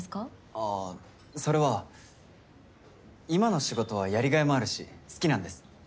あぁそれは今の仕事はやりがいもあるし好きなんです。